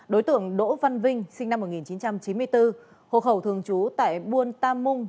đối tượng đỗ văn vinh sinh năm một nghìn chín trăm chín mươi bốn hộ khẩu thường trú tại buôn tam mung